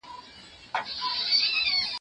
چي طوطي ګنجي ته وکتل ګویا سو